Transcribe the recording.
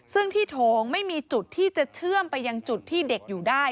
ซึ่งที่โถงไม่มีจุดที่จะเชื่อมไปยังจุดที่เด็กอยู่ได้